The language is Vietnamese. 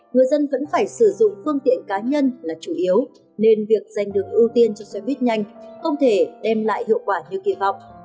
người dân vẫn phải sử dụng phương tiện cá nhân là chủ yếu nên việc giành được ưu tiên cho xe buýt nhanh không thể đem lại hiệu quả như kỳ vọng